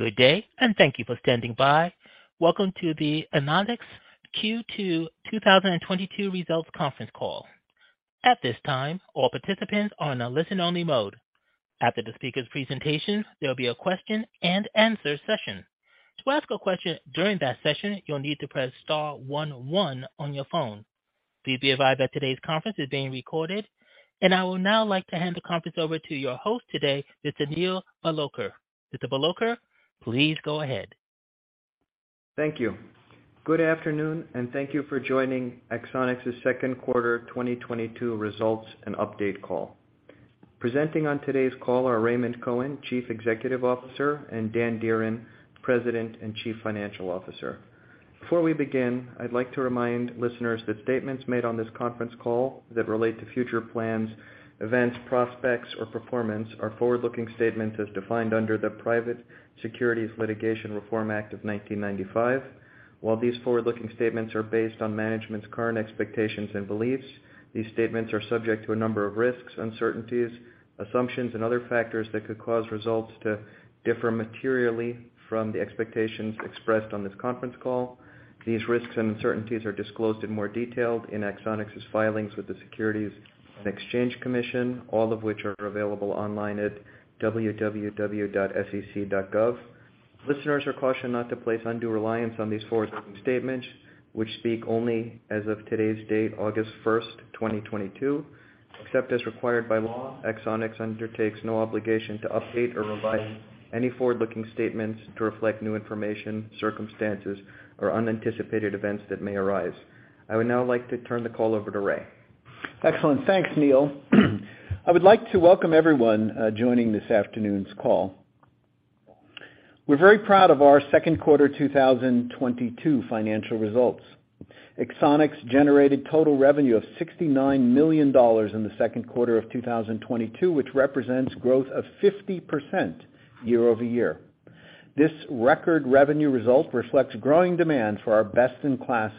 Good day, and thank you for standing by. Welcome to the Axonics Q2 2022 Results Conference Call. At this time, all participants are in a listen-only mode. After the speakers' presentation, there will be a question-and-answer session. To ask a question during that session, you'll need to press star one one on your phone. Please be advised that today's conference is being recorded. I would now like to hand the conference over to your host today, Mr. Neil Bhalodkar. Mr. Bhalodkar, please go ahead. Thank you. Good afternoon, and thank you for joining Axonics' second quarter 2022 results and update call. Presenting on today's call are Raymond Cohen, Chief Executive Officer, and Dan Dearen, President and Chief Financial Officer. Before we begin, I'd like to remind listeners that statements made on this conference call that relate to future plans, events, prospects or performance are forward-looking statements as defined under the Private Securities Litigation Reform Act of 1995. While these forward-looking statements are based on management's current expectations and beliefs, these statements are subject to a number of risks, uncertainties, assumptions and other factors that could cause results to differ materially from the expectations expressed on this conference call. These risks and uncertainties are disclosed in more detail in Axonics' filings with the Securities and Exchange Commission, all of which are available online at www.sec.gov. Listeners are cautioned not to place undue reliance on these forward-looking statements which speak only as of today's date, August 1st, 2022. Except as required by law, Axonics undertakes no obligation to update or revise any forward-looking statements to reflect new information, circumstances or unanticipated events that may arise. I would now like to turn the call over to Ray. Excellent. Thanks, Neil. I would like to welcome everyone joining this afternoon's call. We're very proud of our second quarter 2022 financial results. Axonics generated total revenue of $69 million in the second quarter of 2022, which represents growth of 50% year-over-year. This record revenue result reflects growing demand for our best-in-class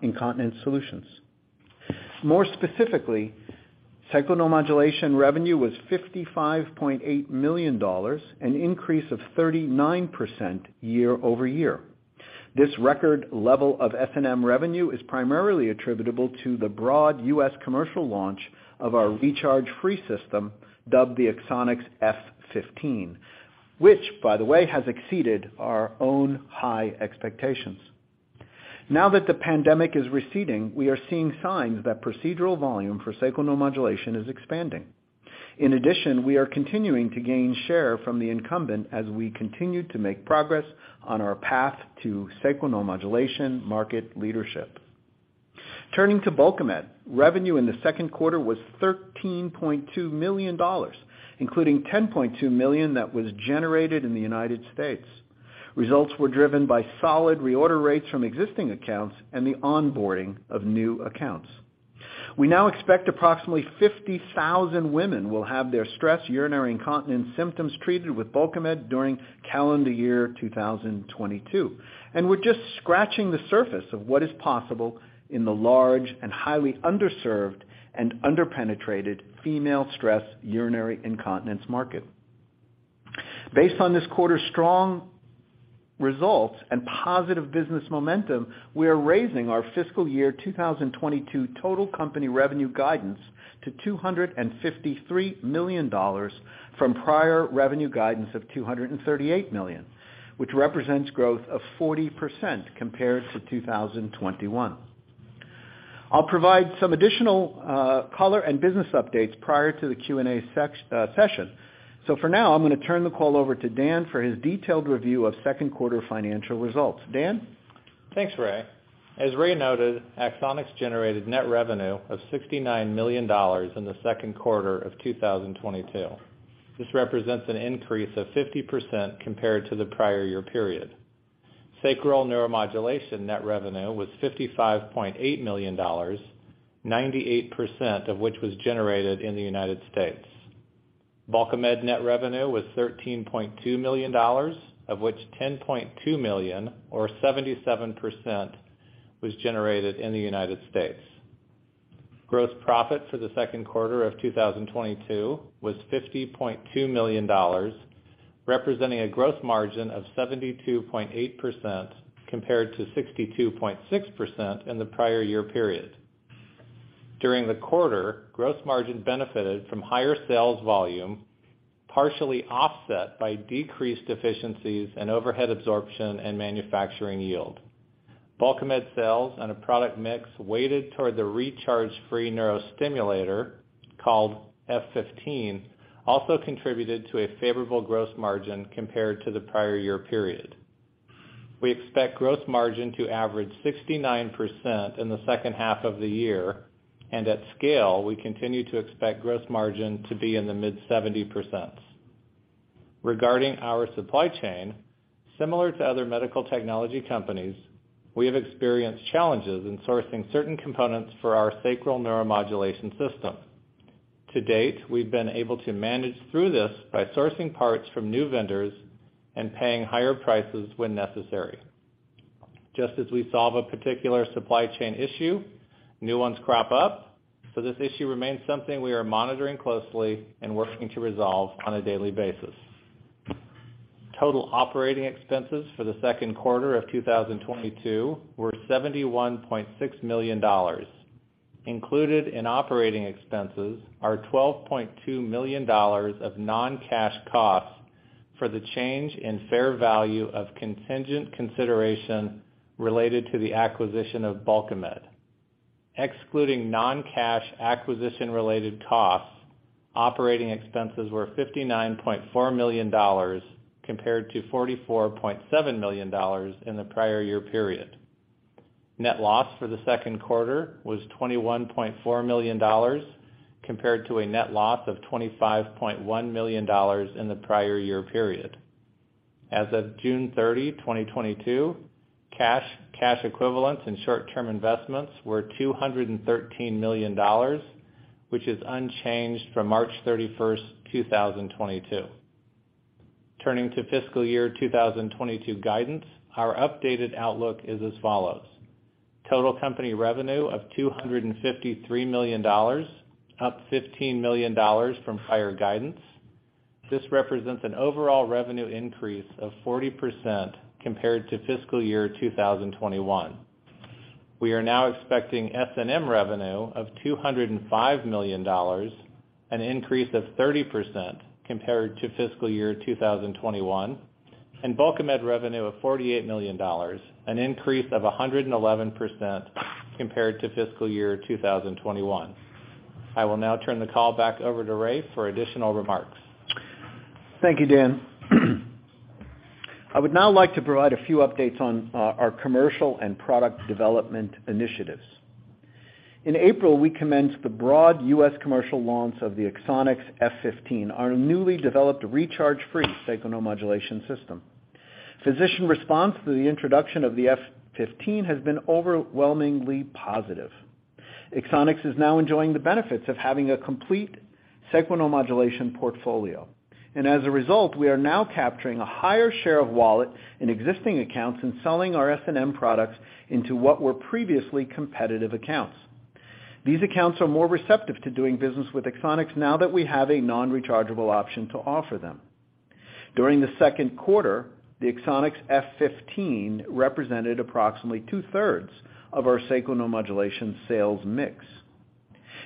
incontinence solutions. More specifically, sacral neuromodulation revenue was $55.8 million, an increase of 39% year-over-year. This record level of SNM revenue is primarily attributable to the broad U.S. commercial launch of our recharge-free system, dubbed the Axonics F15, which, by the way, has exceeded our own high expectations. Now that the pandemic is receding, we are seeing signs that procedural volume for sacral neuromodulation is expanding. In addition, we are continuing to gain share from the incumbent as we continue to make progress on our path to sacral neuromodulation market leadership. Turning to Bulkamid, revenue in the second quarter was $13.2 million, including $10.2 million that was generated in the United States. Results were driven by solid reorder rates from existing accounts and the onboarding of new accounts. We now expect approximately 50,000 women will have their stress urinary incontinence symptoms treated with Bulkamid during calendar year 2022, and we're just scratching the surface of what is possible in the large and highly underserved and under-penetrated female stress urinary incontinence market. Based on this quarter's strong results and positive business momentum, we are raising our fiscal year 2022 total company revenue guidance to $253 million from prior revenue guidance of $238 million, which represents growth of 40% compared to 2021. I'll provide some additional color and business updates prior to the Q&A session. For now, I'm gonna turn the call over to Dan for his detailed review of second quarter financial results. Dan? Thanks, Ray. As Ray noted, Axonics generated net revenue of $69 million in the second quarter of 2022. This represents an increase of 50% compared to the prior year period. Sacral Neuromodulation net revenue was $55.8 million, 98% of which was generated in the United States. Bulkamid net revenue was $13.2 million, of which $10.2 million or 77% was generated in the United States. Gross profit for the second quarter of 2022 was $50.2 million, representing a gross margin of 72.8% compared to 62.6% in the prior year period. During the quarter, gross margin benefited from higher sales volume, partially offset by decreased efficiencies and overhead absorption and manufacturing yield. Bulkamid sales and a product mix weighted toward the recharge-free neurostimulator called F15 also contributed to a favorable gross margin compared to the prior year period. We expect gross margin to average 69% in the second half of the year, and at scale, we continue to expect gross margin to be in the mid-70s%. Regarding our supply chain, similar to other medical technology companies, we have experienced challenges in sourcing certain components for our sacral neuromodulation system. To date, we've been able to manage through this by sourcing parts from new vendors and paying higher prices when necessary. Just as we solve a particular supply chain issue, new ones crop up, so this issue remains something we are monitoring closely and working to resolve on a daily basis. Total operating expenses for the second quarter of 2022 were $71.6 million. Included in operating expenses are $12.2 million of non-cash costs for the change in fair value of contingent consideration related to the acquisition of Bulkamid. Excluding non-cash acquisition-related costs, operating expenses were $59.4 million compared to $44.7 million in the prior year period. Net loss for the second quarter was $21.4 million, compared to a net loss of $25.1 million in the prior year period. As of June 30, 2022, cash equivalents and short-term investments were $213 million, which is unchanged from March 31st, 2022. Turning to fiscal year 2022 guidance, our updated outlook is as follows. Total company revenue of $253 million, up $15 million from prior guidance. This represents an overall revenue increase of 40% compared to fiscal year 2021. We are now expecting SNM revenue of $205 million, an increase of 30% compared to fiscal year 2021, and Bulkamid revenue of $48 million, an increase of 111% compared to fiscal year 2021. I will now turn the call back over to Ray for additional remarks. Thank you, Dan. I would now like to provide a few updates on our commercial and product development initiatives. In April, we commenced the broad U.S. commercial launch of the Axonics F15, our newly developed recharge-free sacral neuromodulation system. Physician response to the introduction of the F15 has been overwhelmingly positive. Axonics is now enjoying the benefits of having a complete sacral neuromodulation portfolio, and as a result, we are now capturing a higher share of wallet in existing accounts and selling our SNM products into what were previously competitive accounts. These accounts are more receptive to doing business with Axonics now that we have a non-rechargeable option to offer them. During the second quarter, the Axonics F15 represented approximately 2/3 of our sacral neuromodulation sales mix.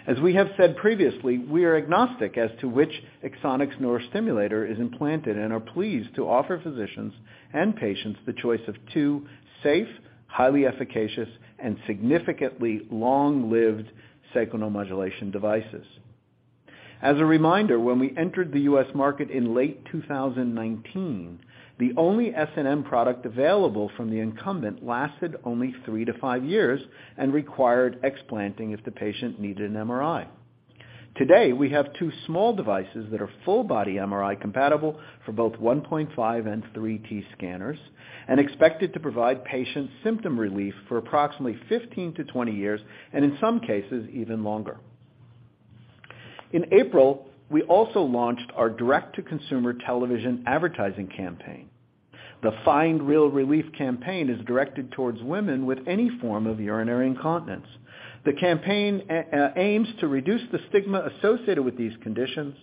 As we have said previously, we are agnostic as to which Axonics neurostimulator is implanted and are pleased to offer physicians and patients the choice of two safe, highly efficacious, and significantly long-lived sacral neuromodulation devices. As a reminder, when we entered the U.S. market in late 2019, the only SNM product available from the incumbent lasted only three to five years and required explanting if the patient needed an MRI. Today, we have two small devices that are full-body MRI compatible for both 1.5- and 3-T scanners, and expected to provide patients symptom relief for approximately 15-20 years, and in some cases, even longer. In April, we also launched our direct-to-consumer television advertising campaign. The Find Real Relief campaign is directed towards women with any form of urinary incontinence. The campaign aims to reduce the stigma associated with these conditions,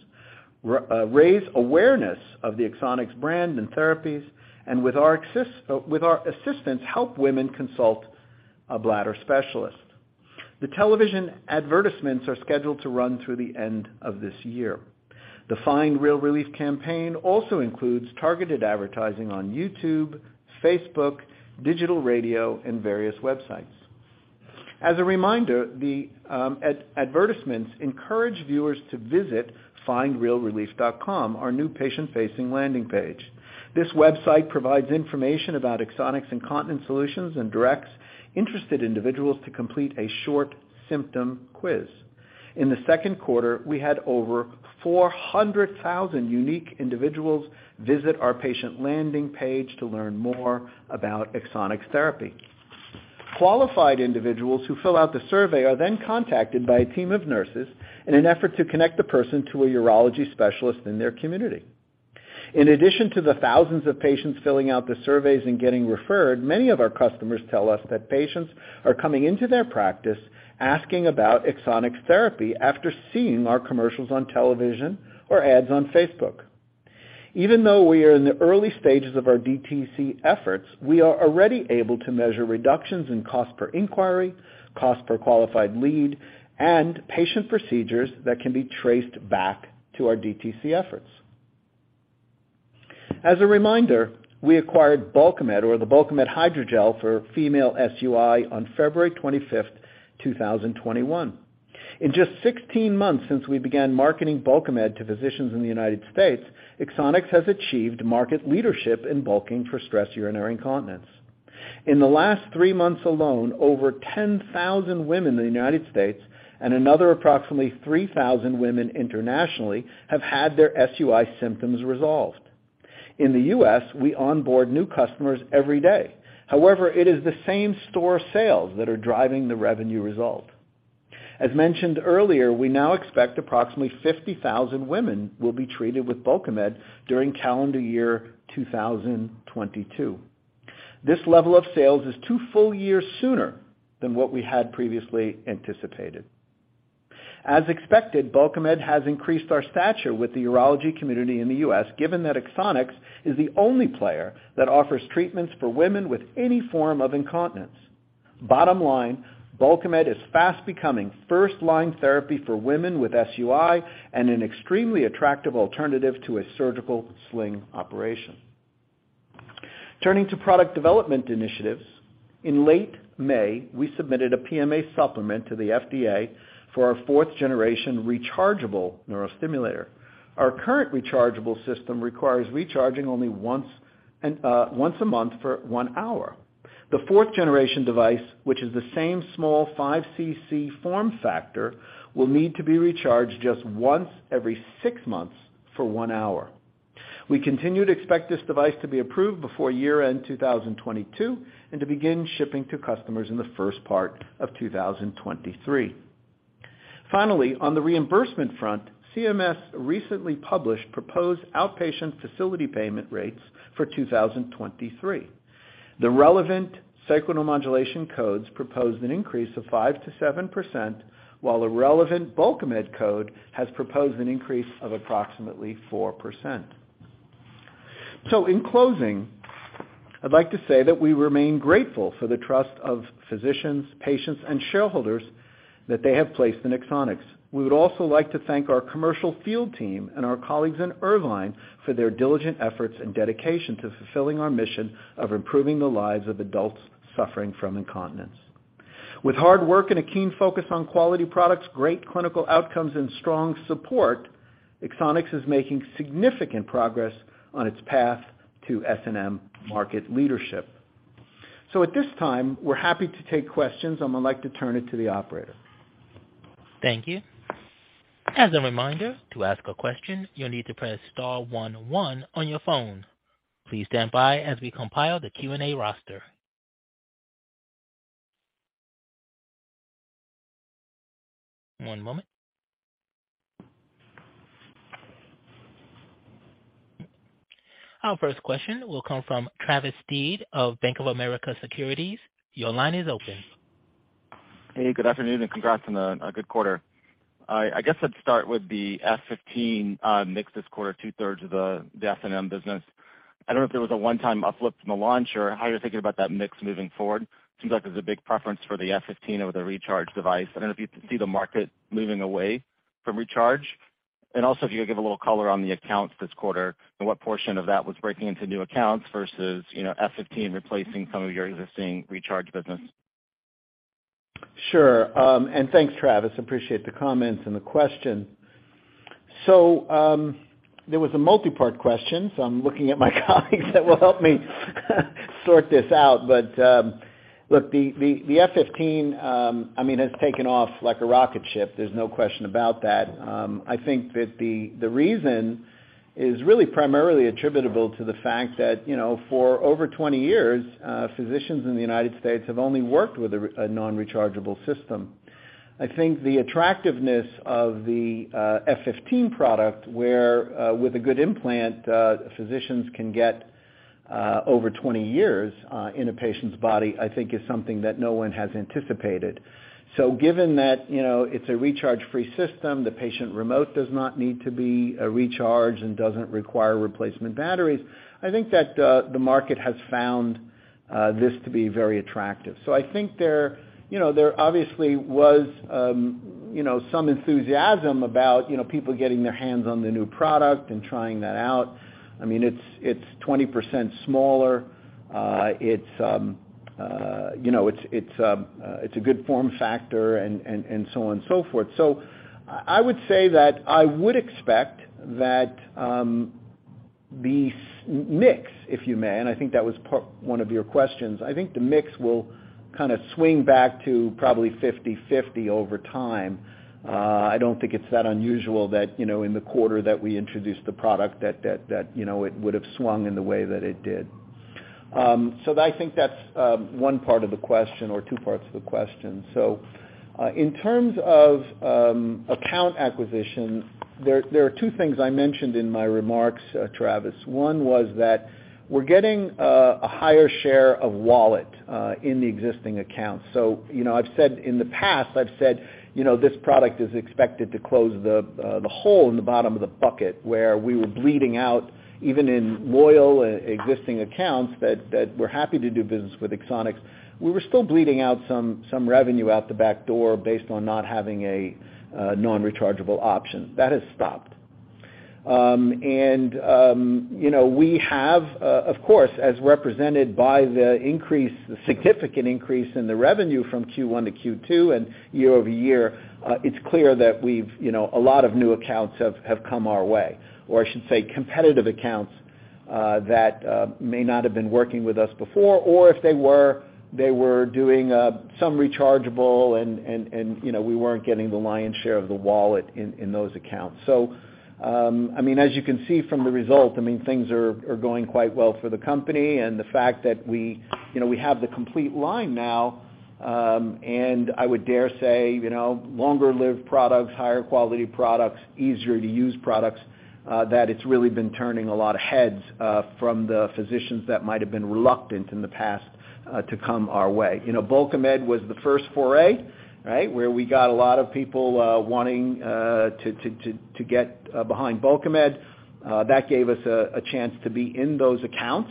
raise awareness of the Axonics brand and therapies, and with our assistance, help women consult a bladder specialist. The television advertisements are scheduled to run through the end of this year. The Find Real Relief campaign also includes targeted advertising on YouTube, Facebook, digital radio, and various websites. As a reminder, the advertisements encourage viewers to visit FindRealRelief.com, our new patient-facing landing page. This website provides information about Axonics Incontinence Solutions and directs interested individuals to complete a short symptom quiz. In the second quarter, we had over 400,000 unique individuals visit our patient landing page to learn more about Axonics therapy. Qualified individuals who fill out the survey are then contacted by a team of nurses in an effort to connect the person to a urology specialist in their community. In addition to the thousands of patients filling out the surveys and getting referred, many of our customers tell us that patients are coming into their practice asking about Axonics therapy after seeing our commercials on television or ads on Facebook. Even though we are in the early stages of our DTC efforts, we are already able to measure reductions in cost per inquiry, cost per qualified lead, and patient procedures that can be traced back to our DTC efforts. As a reminder, we acquired Bulkamid or the Bulkamid hydrogel for female SUI on February 25, 2021. In just 16 months since we began marketing Bulkamid to physicians in the United States, Axonics has achieved market leadership in bulking for stress urinary incontinence. In the last three months alone, over 10,000 women in the United States and another approximately 3,000 women internationally have had their SUI symptoms resolved. In the U.S., we onboard new customers every day. However, it is the same-store sales that are driving the revenue result. As mentioned earlier, we now expect approximately 50,000 women will be treated with Bulkamid during calendar year 2022. This level of sales is two full years sooner than what we had previously anticipated. As expected, Bulkamid has increased our stature with the urology community in the U.S., given that Axonics is the only player that offers treatments for women with any form of incontinence. Bottom line, Bulkamid is fast becoming first-line therapy for women with SUI and an extremely attractive alternative to a surgical sling operation. Turning to product development initiatives. In late May, we submitted a PMA supplement to the FDA for our fourth generation rechargeable neurostimulator. Our current rechargeable system requires recharging only once a month for one hour. The fourth generation device, which is the same small five cc form factor, will need to be recharged just once every six months for one hour. We continue to expect this device to be approved before year-end 2022 and to begin shipping to customers in the first part of 2023. Finally, on the reimbursement front, CMS recently published proposed outpatient facility payment rates for 2023. The relevant sacral neuromodulation codes proposed an increase of 5%-7%, while the relevant Bulkamid code has proposed an increase of approximately 4%. In closing, I'd like to say that we remain grateful for the trust of physicians, patients, and shareholders that they have placed in Axonics. We would also like to thank our commercial field team and our colleagues in Irvine for their diligent efforts and dedication to fulfilling our mission of improving the lives of adults suffering from incontinence. With hard work and a keen focus on quality products, great clinical outcomes, and strong support, Axonics is making significant progress on its path to SNM market leadership. At this time, we're happy to take questions, and I'd like to turn it to the operator. Thank you. As a reminder, to ask a question, you'll need to press star one one on your phone. Please stand by as we compile the Q&A roster. One moment. Our first question will come from Travis Steed of Bank of America Securities. Your line is open. Hey, good afternoon, and congrats on a good quarter. I guess I'd start with the F15 mix this quarter, two-thirds of the SNM business. I don't know if there was a one-time uplift from the launch, or how you're thinking about that mix moving forward. Seems like there's a big preference for the F15 over the recharge device. I don't know if you see the market moving away from recharge. Also, if you could give a little color on the accounts this quarter and what portion of that was breaking into new accounts versus, you know, F15 replacing some of your existing recharge business. Sure. Thanks, Travis. Appreciate the comments and the question. There was a multipart question, so I'm looking at my colleagues that will help me sort this out. Look, the F15, I mean, has taken off like a rocket ship. There's no question about that. I think that the reason is really primarily attributable to the fact that, you know, for over 20 years, physicians in the United States have only worked with a non-rechargeable system. I think the attractiveness of the F15 product, where, with a good implant, physicians can get, over 20 years, in a patient's body, I think is something that no one has anticipated. Given that, you know, it's a recharge-free system, the patient remote does not need to be recharged and doesn't require replacement batteries, I think that the market has found this to be very attractive. I think, you know, there obviously was, you know, some enthusiasm about, you know, people getting their hands on the new product and trying that out. I mean, it's 20% smaller. It's, you know, it's a good form factor and so on and so forth. I would say that I would expect that the mix, if you will, and I think that was part one of your questions. I think the mix will kind of swing back to probably 50/50 over time. I don't think it's that unusual that, you know, in the quarter that we introduced the product that, you know, it would have swung in the way that it did. I think that's one part of the question or two parts of the question. In terms of account acquisition, there are two things I mentioned in my remarks, Travis. One was that we're getting a higher share of wallet in the existing accounts. You know, I've said in the past, you know, this product is expected to close the hole in the bottom of the bucket, where we were bleeding out, even in loyal existing accounts that were happy to do business with Axonics. We were still bleeding out some revenue out the back door based on not having a non-rechargeable option. That has stopped. You know, we have, of course, as represented by the increase, the significant increase in the revenue from Q1 to Q2 and year-over-year, it's clear that we've, you know, a lot of new accounts have come our way. I should say, competitive accounts that may not have been working with us before, or if they were, they were doing some rechargeable and, you know, we weren't getting the lion's share of the wallet in those accounts. I mean, as you can see from the results, I mean, things are going quite well for the company and the fact that we, you know, we have the complete line now, and I would dare say, you know, longer lived products, higher quality products, easier to use products, that it's really been turning a lot of heads from the physicians that might have been reluctant in the past to come our way. You know, Bulkamid was the first foray, right? Where we got a lot of people wanting to get behind Bulkamid. That gave us a chance to be in those accounts.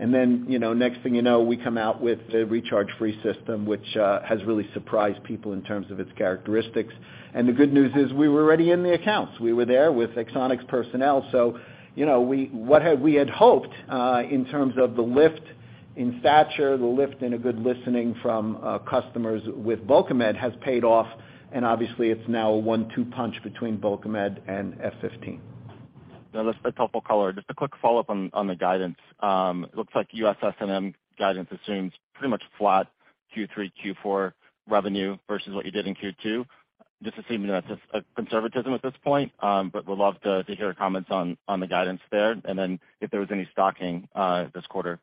You know, next thing you know, we come out with the recharge-free system, which has really surprised people in terms of its characteristics. The good news is we were already in the accounts. We were there with Axonics personnel. You know, we had hoped, in terms of the lift in stature, the lift in a good listening from customers with Bulkamid has paid off, and obviously it's now a one-two punch between Bulkamid and F15. Now, just a helpful color, just a quick follow-up on the guidance. It looks like U.S. SNM guidance assumes pretty much flat Q3, Q4 revenue versus what you did in Q2. Just assuming that's a conservatism at this point, but would love to hear your comments on the guidance there, and then if there was any stocking this quarter.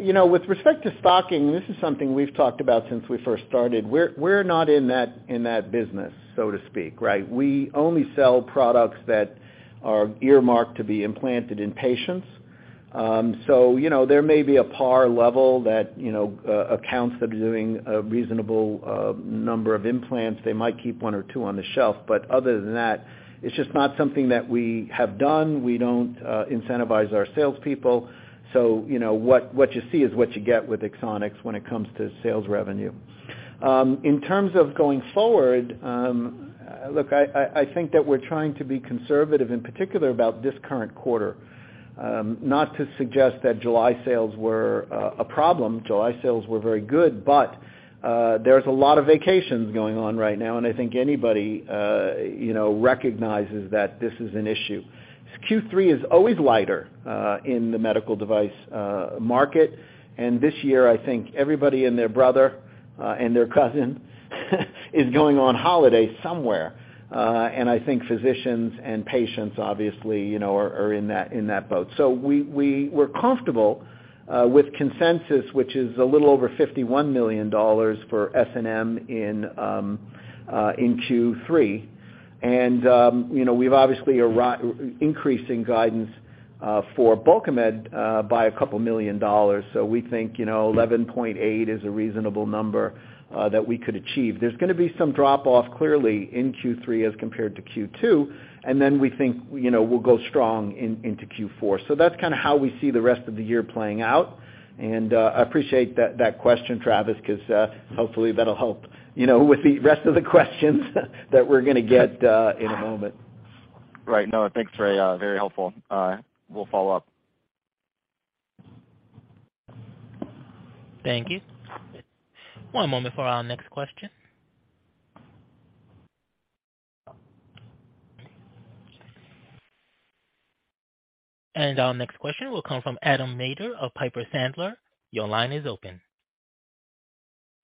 You know, with respect to stocking, this is something we've talked about since we first started. We're not in that business, so to speak, right? We only sell products that are earmarked to be implanted in patients. You know, there may be a par level that you know accounts that are doing a reasonable number of implants, they might keep one or two on the shelf. Other than that, it's just not something that we have done. We don't incentivize our salespeople. You know, what you see is what you get with Axonics when it comes to sales revenue. In terms of going forward, look, I think that we're trying to be conservative, in particular about this current quarter. Not to suggest that July sales were a problem. July sales were very good, but there's a lot of vacations going on right now, and I think anybody you know recognizes that this is an issue. Q3 is always lighter in the medical device market. This year, I think everybody and their brother and their cousin is going on holiday somewhere. I think physicians and patients obviously you know are in that boat. We're comfortable with consensus, which is a little over $51 million for SNM in Q3. You know, we've obviously increasing guidance for Bulkamid by a couple million dollars. We think you know 11.8 is a reasonable number that we could achieve. There's gonna be some drop off clearly in Q3 as compared to Q2, and then we think, you know, we'll go strong into Q4. So that's kinda how we see the rest of the year playing out. I appreciate that question, Travis, 'cause hopefully that'll help, you know, with the rest of the questions that we're gonna get in a moment. Right. No, thanks, Ray. Very helpful. We'll follow-up. Thank you. One moment for our next question. Our next question will come from Adam Maeder of Piper Sandler. Your line is open.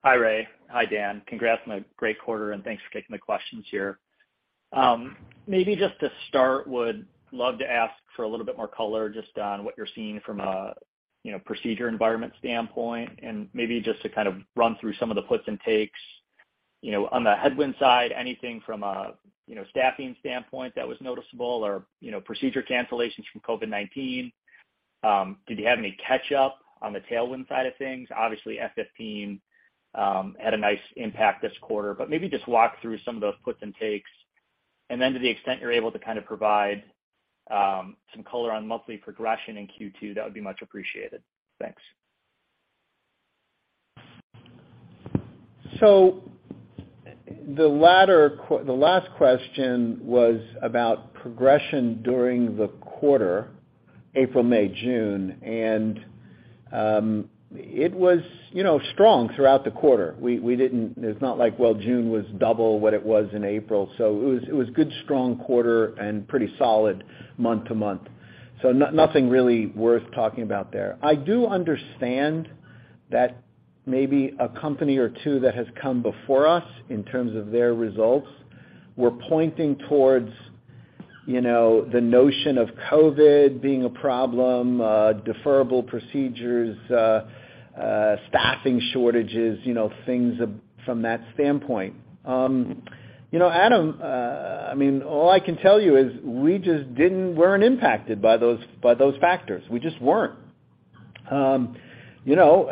Hi, Ray. Hi, Dan. Congrats on a great quarter, and thanks for taking the questions here. Maybe just to start, would love to ask for a little bit more color just on what you're seeing from a, you know, procedure environment standpoint and maybe just to kind of run through some of the puts and takes. You know, on the headwind side, anything from a, you know, staffing standpoint that was noticeable or, you know, procedure cancellations from COVID-19? Did you have any catch up on the tailwind side of things? Obviously, F15 had a nice impact this quarter, but maybe just walk through some of those puts and takes. Then to the extent you're able to kind of provide, some color on monthly progression in Q2, that would be much appreciated. Thanks. The last question was about progression during the quarter, April, May, June, and it was, you know, strong throughout the quarter. It's not like, well, June was double what it was in April. It was good, strong quarter and pretty solid month-to-month. Nothing really worth talking about there. I do understand that maybe a company or two that has come before us in terms of their results were pointing towards, you know, the notion of COVID being a problem, deferrable procedures, staffing shortages, you know, things from that standpoint. You know, Adam, I mean, all I can tell you is we just weren't impacted by those factors. We just weren't. You know,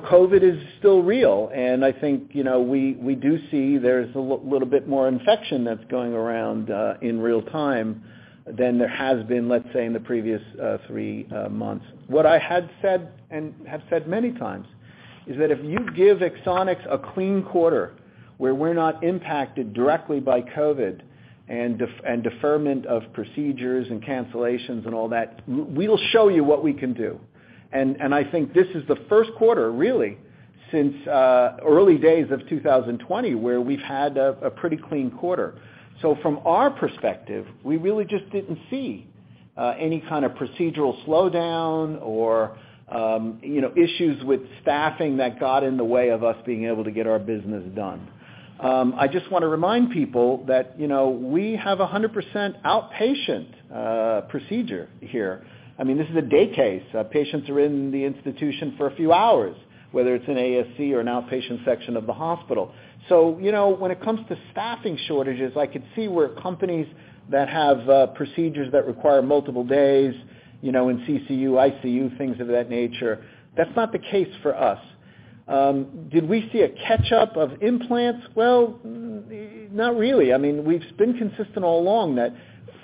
COVID is still real, and I think, you know, we do see there's a little bit more infection that's going around in real time than there has been, let's say, in the previous three months. What I had said and have said many times is that if you give Axonics a clean quarter where we're not impacted directly by COVID and deferment of procedures and cancellations and all that, we'll show you what we can do. I think this is the first quarter, really since early days of 2020 where we've had a pretty clean quarter. From our perspective, we really just didn't see any kind of procedural slowdown or, you know, issues with staffing that got in the way of us being able to get our business done. I just wanna remind people that, you know, we have 100% outpatient procedure here. I mean, this is a day case. Patients are in the institution for a few hours, whether it's an ASC or an outpatient section of the hospital. You know, when it comes to staffing shortages, I could see where companies that have procedures that require multiple days, you know, in CCU, ICU, things of that nature. That's not the case for us. Did we see a catch-up of implants? Well, not really. I mean, we've been consistent all along that,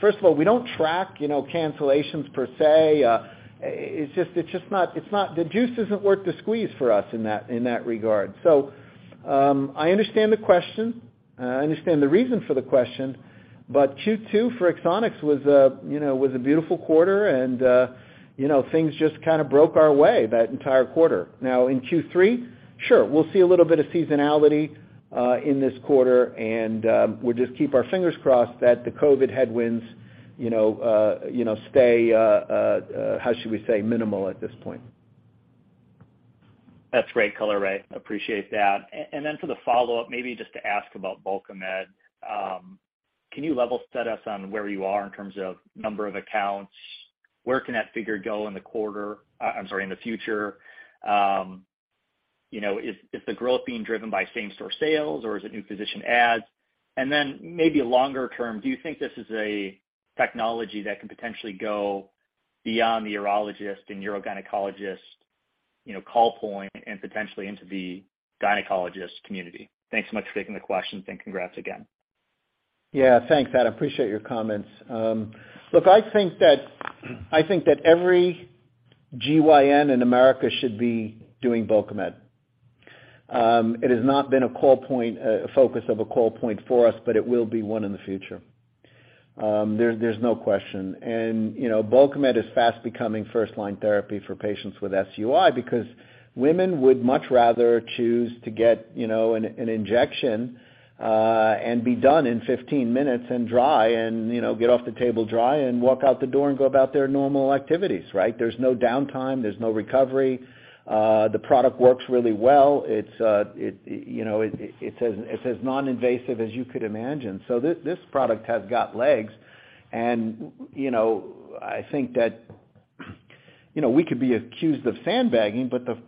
first of all, we don't track, you know, cancellations per se. It's just not the juice isn't worth the squeeze for us in that regard. I understand the question. I understand the reason for the question, but Q2 for Axonics was a beautiful quarter and, you know, things just kinda broke our way that entire quarter. Now, in Q3, sure, we'll see a little bit of seasonality in this quarter, and we'll just keep our fingers crossed that the COVID headwinds, you know, stay how should we say, minimal at this point. That's great color, Ray. Appreciate that. For the follow-up, maybe just to ask about Bulkamid. Can you level set us on where you are in terms of number of accounts? Where can that figure go in the future? You know, is the growth being driven by same store sales or is it new physician adds? Maybe longer-term, do you think this is a technology that can potentially go beyond the urologist and urogynecologist, you know, call point and potentially into the gynecologist community? Thanks so much for taking the questions, and congrats again. Yeah. Thanks, Adam. Appreciate your comments. Look, I think that every GYN in America should be doing Bulkamid. It has not been a call point focus of a call point for us, but it will be one in the future. There's no question. You know, Bulkamid is fast becoming first line therapy for patients with SUI because women would much rather choose to get, you know, an injection and be done in 15 minutes and dry and, you know, get off the table dry and walk out the door and go about their normal activities, right? There's no downtime. There's no recovery. The product works really well. It's, it, you know, it's as non-invasive as you could imagine. This product has got legs. You know, I think that, you know, we could be accused of sandbagging, but the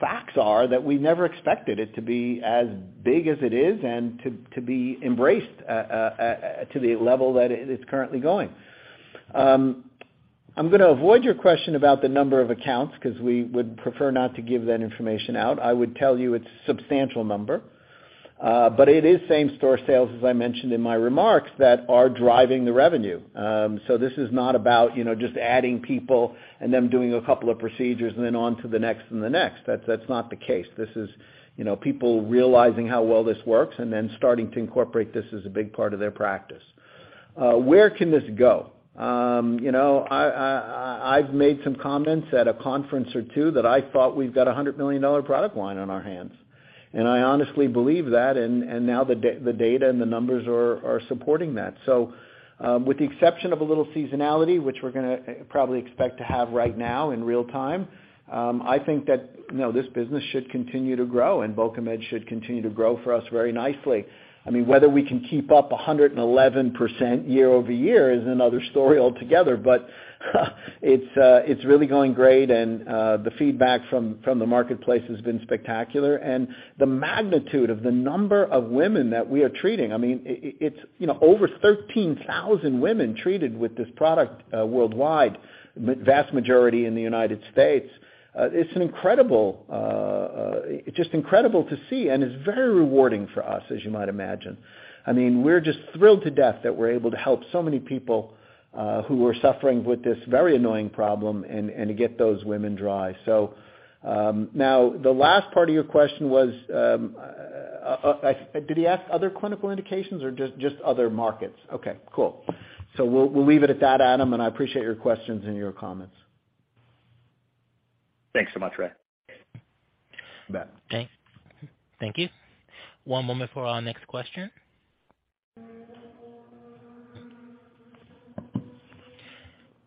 facts are that we never expected it to be as big as it is and to be embraced to the level that it is currently going. I'm gonna avoid your question about the number of accounts 'cause we would prefer not to give that information out. I would tell you it's substantial number, but it is same store sales, as I mentioned in my remarks, that are driving the revenue. This is not about, you know, just adding people and them doing a couple of procedures and then on to the next and the next. That's not the case. This is, you know, people realizing how well this works and then starting to incorporate this as a big part of their practice. Where can this go? You know, I've made some comments at a conference or two that I thought we've got a $100 million product line on our hands, and I honestly believe that. Now the data and the numbers are supporting that. With the exception of a little seasonality, which we're gonna probably expect to have right now in real time, I think that you know, this business should continue to grow and Bulkamid should continue to grow for us very nicely. I mean, whether we can keep up 111% year-over-year is another story altogether. It's really going great and the feedback from the marketplace has been spectacular. The magnitude of the number of women that we are treating, I mean, it's, you know, over 13,000 women treated with this product worldwide, vast majority in the United States. It's an incredible, just incredible to see and is very rewarding for us, as you might imagine. I mean, we're just thrilled to death that we're able to help so many people who are suffering with this very annoying problem and to get those women dry. Now the last part of your question was, did he ask other clinical indications or just other markets? Okay, cool. We'll leave it at that, Adam, and I appreciate your questions and your comments. Thanks so much, Ray. You bet. Okay. Thank you. One moment for our next question.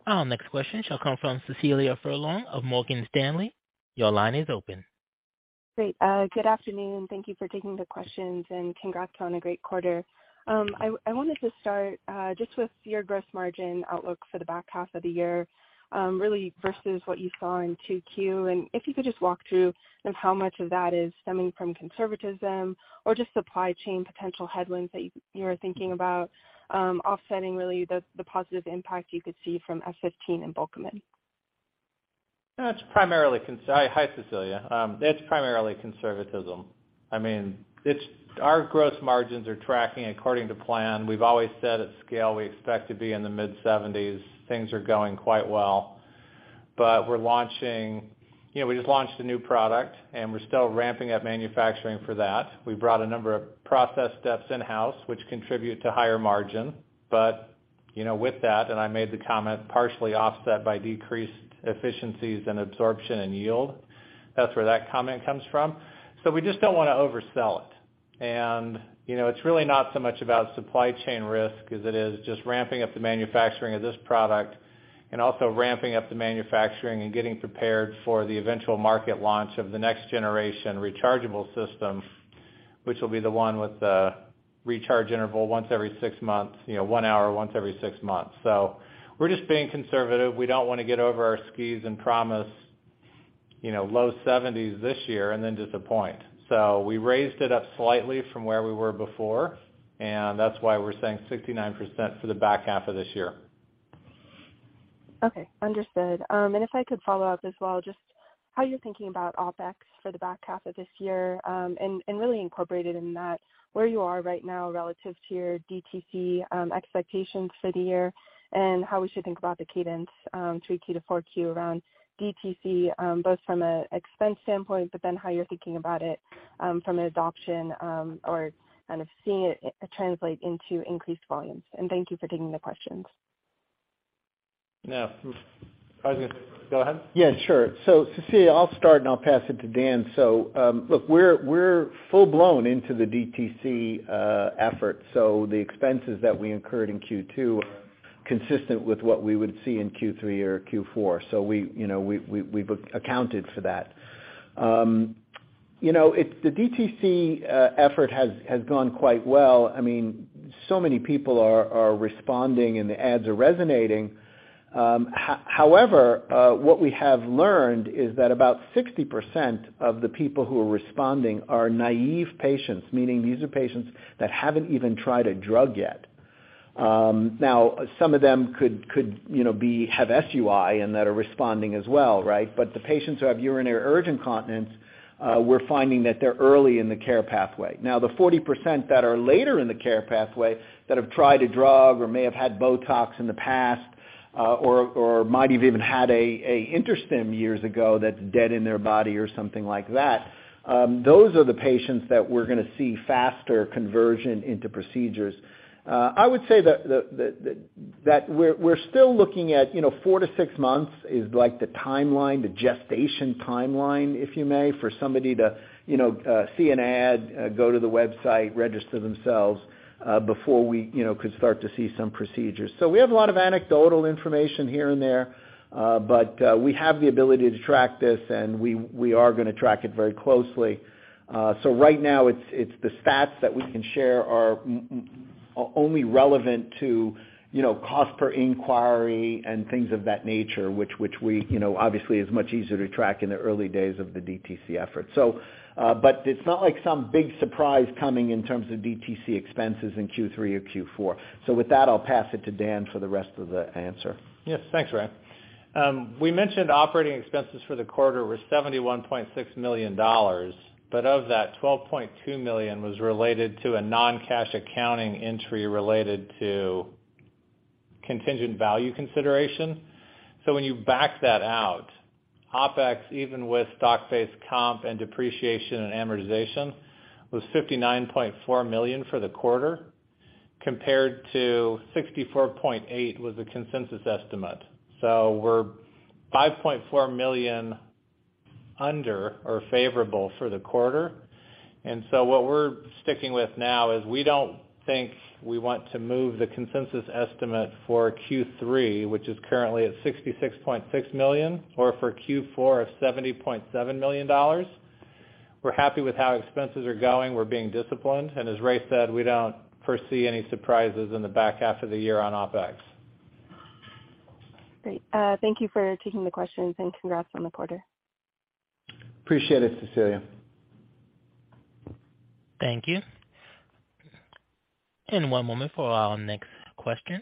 Our next question shall come from Cecilia Furlong of Morgan Stanley. Your line is open. Great. Good afternoon. Thank you for taking the questions, and congrats on a great quarter. I wanted to start just with your gross margin outlook for the back half of the year, really versus what you saw in 2Q. If you could just walk through, you know, how much of that is stemming from conservatism or just supply chain potential headwinds that you're thinking about, offsetting really the positive impact you could see from F15 and Bulkamid. It's primarily conservatism. Hi, Cecilia. It's primarily conservatism. I mean, our gross margins are tracking according to plan. We've always said at scale we expect to be in the mid-seventies. Things are going quite well. We're launching. You know, we just launched a new product, and we're still ramping up manufacturing for that. We brought a number of process steps in-house which contribute to higher margin, but You know, with that, I made the comment partially offset by decreased efficiencies and absorption and yield. That's where that comment comes from. We just don't wanna oversell it. You know, it's really not so much about supply chain risk as it is just ramping up the manufacturing of this product and also ramping up the manufacturing and getting prepared for the eventual market launch of the next generation rechargeable system, which will be the one with the recharge interval once every six months, you know, one hour once every six months. We're just being conservative. We don't wanna get over our skis and promise, you know, low 70s this year and then disappoint. We raised it up slightly from where we were before, and that's why we're saying 69% for the back half of this year. Okay. Understood. If I could follow-up as well, just how you're thinking about OpEx for the back half of this year, and really incorporated in that, where you are right now relative to your DTC expectations for the year and how we should think about the cadence, 3Q to 4Q around DTC, both from an expense standpoint, but then how you're thinking about it from an adoption or kind of seeing it translate into increased volumes. Thank you for taking the questions. Now, I was gonna say, go ahead. Yeah, sure. Cecilia, I'll start, and I'll pass it to Dan. Look, we're full-blown into the DTC effort. The expenses that we incurred in Q2 are consistent with what we would see in Q3 or Q4. We, you know, we've accounted for that. You know, the DTC effort has gone quite well. I mean, so many people are responding, and the ads are resonating. However, what we have learned is that about 60% of the people who are responding are naive patients, meaning these are patients that haven't even tried a drug yet. Now some of them could, you know, have SUI and that are responding as well, right? But the patients who have urinary urge incontinence, we're finding that they're early in the care pathway. Now, the 40% that are later in the care pathway that have tried a drug or may have had Botox in the past, or might have even had a InterStim years ago that's dead in their body or something like that, those are the patients that we're gonna see faster conversion into procedures. I would say that the that we're still looking at, you know, four to six months is like the timeline, the gestation timeline, if you may, for somebody to, you know, see an ad, go to the website, register themselves, before we, you know, could start to see some procedures. We have a lot of anecdotal information here and there, but we have the ability to track this, and we are gonna track it very closely. Right now it's the stats that we can share are only relevant to, you know, cost per inquiry and things of that nature, which we, you know, obviously is much easier to track in the early days of the DTC effort. But it's not like some big surprise coming in terms of DTC expenses in Q3 or Q4. With that, I'll pass it to Dan Dearen for the rest of the answer. Yes. Thanks, Ray. We mentioned operating expenses for the quarter were $71.6 million, but of that, $12.2 million was related to a non-cash accounting entry related to contingent value consideration. When you back that out, OpEx, even with stock-based comp and depreciation and amortization, was $59.4 million for the quarter, compared to 64.8 was the consensus estimate. We're $5.4 million under or favorable for the quarter. What we're sticking with now is we don't think we want to move the consensus estimate for Q3, which is currently at $66.6 million, or for Q4 of $70.7 million. We're happy with how expenses are going. We're being disciplined, and as Ray said, we don't foresee any surprises in the back half of the year on OpEx. Great. Thank you for taking the questions and congrats on the quarter. Appreciate it, Cecilia. Thank you. One moment for our next question.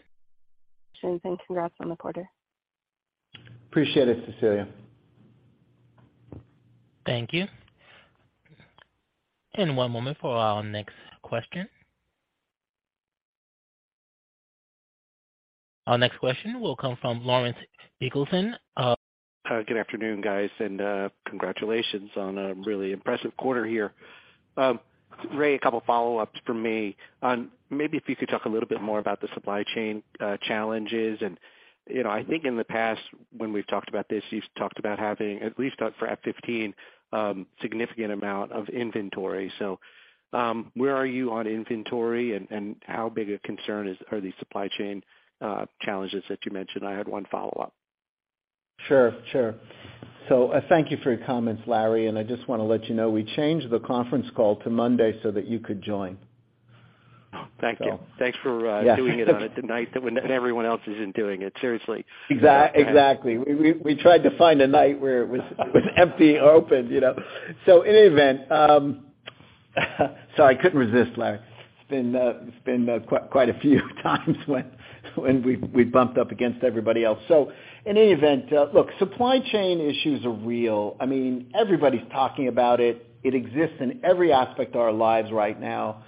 Sure thing. Congrats on the quarter. Appreciate it, Cecilia. Thank you. One moment for our next question. Our next question will come from Larry Biegelsen. Good afternoon, guys, and congratulations on a really impressive quarter here. Ray, a couple follow-ups from me. Maybe if you could talk a little bit more about the supply chain challenges. You know, I think in the past when we've talked about this, you've talked about having at least for F15 significant amount of inventory. Where are you on inventory and how big a concern are these supply chain challenges that you mentioned? I had one follow-up. Sure. Thank you for your comments, Larry. I just wanna let you know we changed the conference call to Monday so that you could join. Oh, thank you. So- Thanks for. Yeah. doing it on a night, and everyone else isn't doing it. Seriously. Exactly. We tried to find a night where it was empty or open, you know? In any event, sorry, I couldn't resist, Larry. It's been quite a few times when we've bumped up against everybody else. In any event, look, supply chain issues are real. I mean, everybody's talking about it. It exists in every aspect of our lives right now.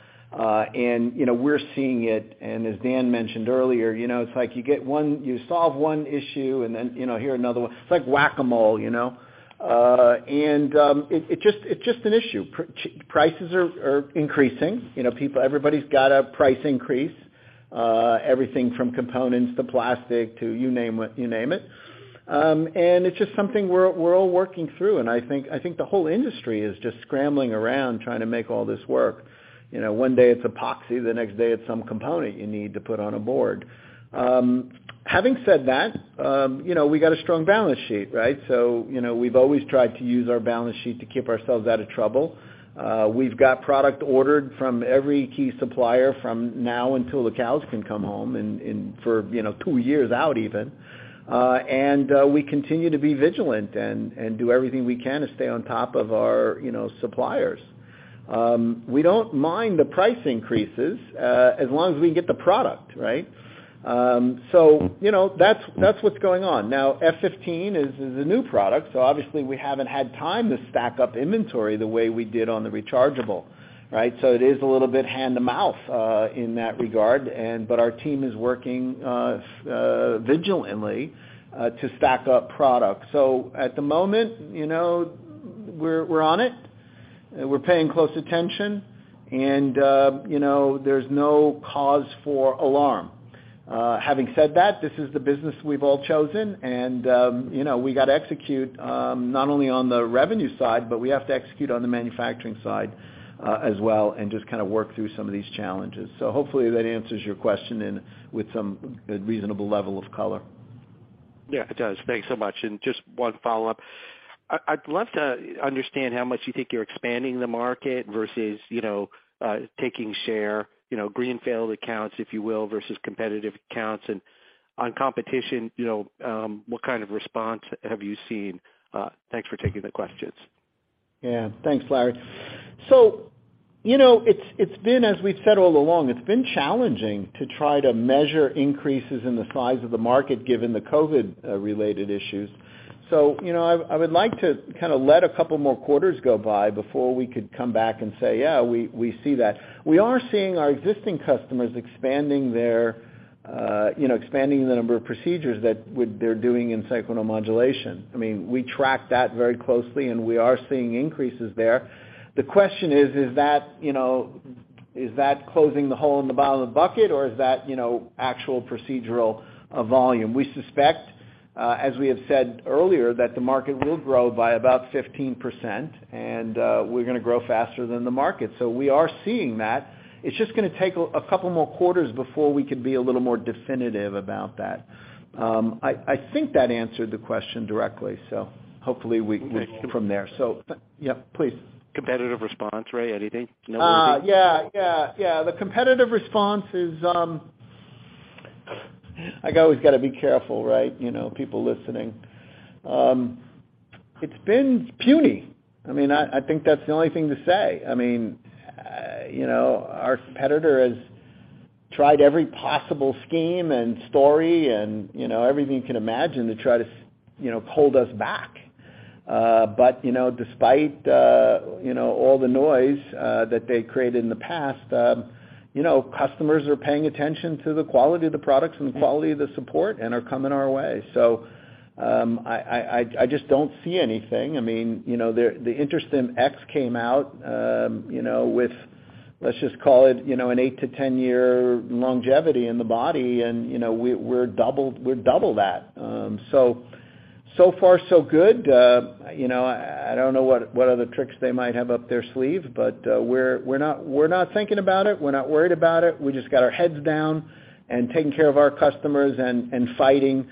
You know, we're seeing it. As Dan mentioned earlier, you know, it's like you get one, you solve one issue and then, you know, here another one. It's like Whac-A-Mole, you know? It just is an issue. Prices are increasing. You know, people, everybody's got a price increase. Everything from components to plastic to you name it. It's just something we're all working through, and I think the whole industry is just scrambling around trying to make all this work. You know, one day it's epoxy, the next day it's some component you need to put on a board. Having said that, you know, we got a strong balance sheet, right? You know, we've always tried to use our balance sheet to keep ourselves out of trouble. We've got product ordered from every key supplier from now until the cows come home and for, you know, two years out even. We continue to be vigilant and do everything we can to stay on top of our, you know, suppliers. We don't mind the price increases as long as we can get the product, right? You know, that's what's going on. Now, F15 is a new product, so obviously we haven't had time to stack up inventory the way we did on the rechargeable, right? It is a little bit hand to mouth in that regard. Our team is working vigilantly to stack up product. At the moment, you know, we're on it. We're paying close attention, and you know, there's no cause for alarm. Having said that, this is the business we've all chosen and you know, we gotta execute not only on the revenue side, but we have to execute on the manufacturing side as well and just kind of work through some of these challenges. Hopefully that answers your question and with some reasonable level of color. Yeah. It does. Thanks so much. Just one follow-up. I'd love to understand how much you think you're expanding the market versus, you know, taking share, you know, greenfield accounts, if you will, versus competitive accounts. On competition, you know, what kind of response have you seen? Thanks for taking the questions. Yeah. Thanks, Larry. You know, it's been as we've said all along, it's been challenging to try to measure increases in the size of the market given the COVID-related issues. You know, I would like to kind of let a couple more quarters go by before we could come back and say, yeah, we see that. We are seeing our existing customers expanding their, you know, expanding the number of procedures they're doing in sacral neuromodulation. I mean, we track that very closely, and we are seeing increases there. The question is that, you know, is that closing the hole in the bottom of the bucket, or is that, you know, actual procedural volume? We suspect, as we have said earlier, that the market will grow by about 15%, and we're gonna grow faster than the market. We are seeing that. It's just gonna take a couple more quarters before we could be a little more definitive about that. I think that answered the question directly. Hopefully we can Thank you. From there. Yeah, please. Competitive response, Ray, anything? No idea? Yeah, yeah. The competitive response is, like I always gotta be careful, right? You know, people listening. It's been puny. I mean, I think that's the only thing to say. I mean, you know, our competitor has tried every possible scheme and story and, you know, everything you can imagine to try to, you know, hold us back. You know, despite, you know, all the noise that they created in the past, you know, customers are paying attention to the quality of the products and the quality of the support and are coming our way. I just don't see anything. I mean, you know, the InterStim X came out, you know, with, let's just call it, you know, an eight-10-year longevity in the body and, you know, we're double that. So far so good. You know, I don't know what other tricks they might have up their sleeve, but, we're not thinking about it. We're not worried about it. We just got our heads down and taking care of our customers and fighting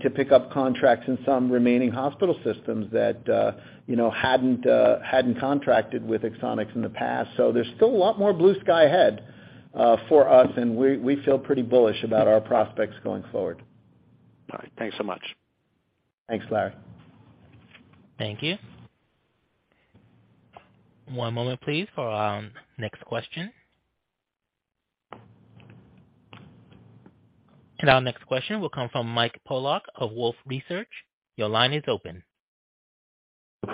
to pick up contracts in some remaining hospital systems that, you know, hadn't contracted with Axonics in the past. So there's still a lot more blue sky ahead for us, and we feel pretty bullish about our prospects going forward. All right. Thanks so much. Thanks, Larry. Thank you. One moment please for our next question. Our next question will come from Mike Polark of Wolfe Research. Your line is open.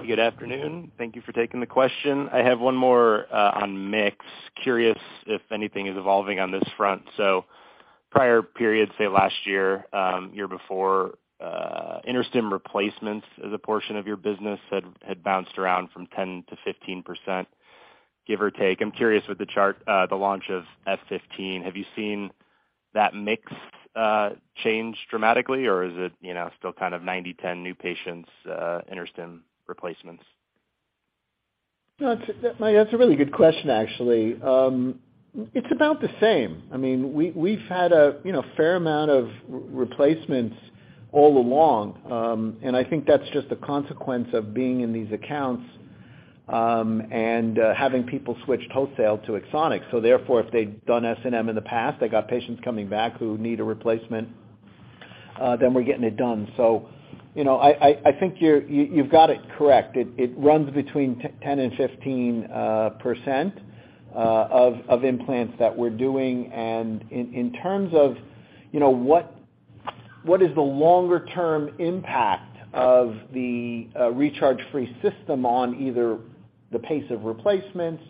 Good afternoon. Thank you for taking the question. I have one more on mix. Curious if anything is evolving on this front. Prior periods, say last year before, InterStim replacements as a portion of your business had bounced around from 10%-15%, give or take. I'm curious with the launch of F15, have you seen that mix change dramatically, or is it, you know, still kind of 90/10 new patients, InterStim replacements? No. It's Mike, that's a really good question, actually. It's about the same. I mean, we've had a you know, fair amount of replacements all along. I think that's just a consequence of being in these accounts and having people switched wholesale to Axonics. Therefore, if they'd done SNM in the past, they got patients coming back who need a replacement, then we're getting it done. You know, I think you've got it correct. It runs between 10% and 15% of implants that we're doing. In terms of, you know, what is the longer-term impact of the recharge-free system on either the pace of replacements